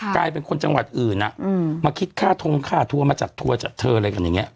กลายเป็นคนจังหวัดอื่นมาคิดค่าทงค่าทัวร์มาจัดทัวร์จัดเธออะไรกันอย่างนี้